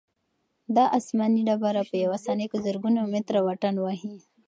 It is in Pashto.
دا آسماني ډبره په یوه ثانیه کې زرګونه متره واټن وهي.